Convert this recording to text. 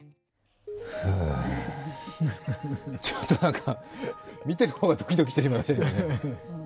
ふぅ、ちょっと見てる方がドキドキしてしまいましたけど。